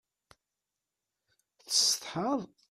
Tessetḥaḍ?